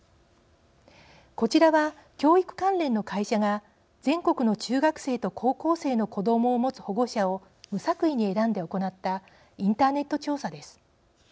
こちらは、教育関連の会社が全国の中学生と高校生の子どもを持つ保護者を無作為に選んで行ったインターネット調査です。